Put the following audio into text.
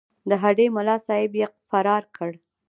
د هډې ملاصاحب یې فرار کړ.